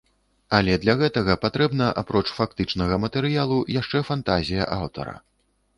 Але для гэтага патрэбна, апроч фактычнага матэрыялу, яшчэ фантазія аўтара.